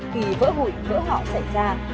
khi vỡ hủy vỡ họ xảy ra